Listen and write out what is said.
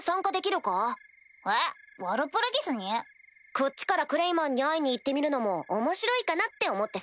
こっちからクレイマンに会いに行ってみるのも面白いかなって思ってさ。